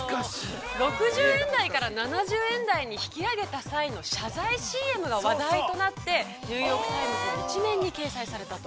６０円台から７０円台に引き上げた際の謝罪ＣＭが話題となって、ニューヨーク・タイムズの一面に掲載されたと。